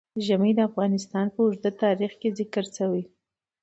ژمی د افغانستان په اوږده تاریخ کې ذکر شوی دی.